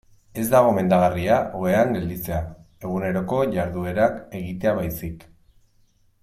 Ez da gomendagarria ohean gelditzea, eguneroko jarduerak egitea baizik.